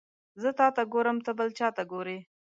زه تاته ګورم ته بل چاته ګوري